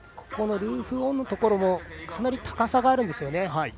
ルーフオンのところもかなり高さがあるんですよね。